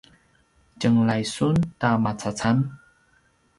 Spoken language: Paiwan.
tjenglai sun ta macacam?